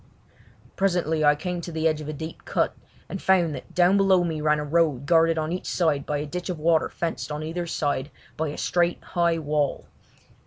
Presently I came to the edge of a deep cut, and found that down below me ran a road guarded on each side by a ditch of water fenced on either side by a straight, high wall.